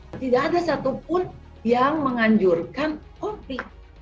tidak ada satupun yang menganjurkan kopi